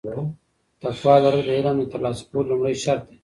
تقوا لرل د علم د ترلاسه کولو لومړی شرط دی.